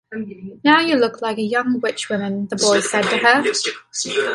“Now you look like a young witch-woman,” the boy said to her.